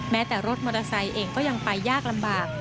แม้แต่รถมอเตอร์ไซค์เองก็ยังไปยากลำบาก